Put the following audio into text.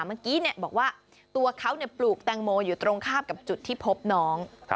เมื่อกี้บอกว่าตัวเขาปลูกแตงโมอยู่ตรงข้ามกับจุดที่พบน้อง